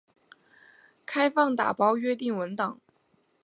开放打包约定文档。